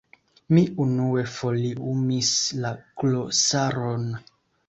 Mi unue foliumis la glosaron.